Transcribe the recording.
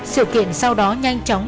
sự kiện sau đó nhanh chóng